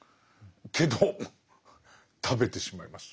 けど食べてしまいます。